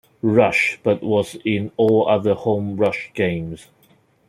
Rush, but was in all other home Rush games.